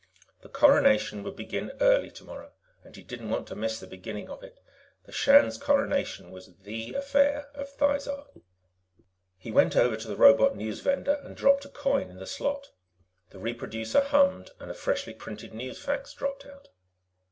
The Coronation would begin early tomorrow, and he didn't want to miss the beginning of it. The Shan's Coronation was the affair of Thizar. He went over to the robot newsvender and dropped a coin in the slot. The reproducer hummed, and a freshly printed newsfax dropped out.